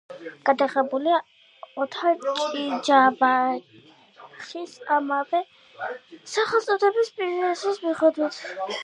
გადაღებულია ოთარ ჩიჯავაძის ამავე სახელწოდების პიესის მიხედვით.